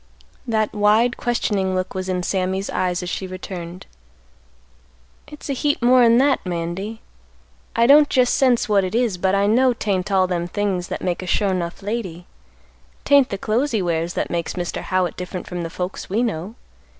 That wide questioning look was in Sammy's eyes as she returned, "It's a heap more'n that, Mandy. I don't jest sense what it is, but I know 'tain't all them things that makes a sure 'nough lady. 'Tain't the clothes he wears that makes Mr. Howitt different from the folks we know.